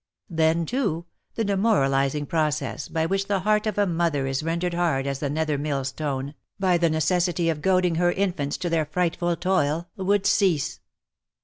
Then too, the demoralizing process by which the heart of a mother is rendered hard as the nether mill stone, by the necessity of goading her infants to their frightful toil, would cease.